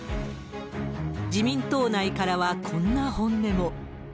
自民党内からはこんな本音も。